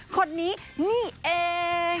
คนนี้นี่เอง